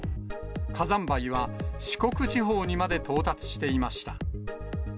火山灰は四国地方にまで到達していました。